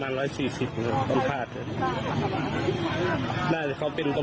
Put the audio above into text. ไม่มีผู้เขาขอใช้ของมันฟัง